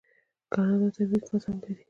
کاناډا طبیعي ګاز هم لري.